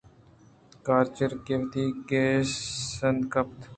کارچ کہ وتی گِیسِند ءَ کپیت